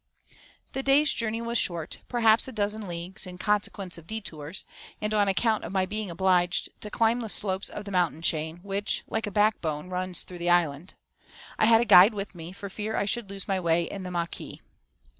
The day's journey was short, perhaps a dozen leagues, in consequence of detours, and on account of my being obliged to climb the slopes of the mountain chain, which, like a backbone, runs through the island. I had a guide with me, for fear I should lose my way in the maquis.